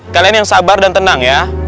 kalian yang sabar dan tenang ya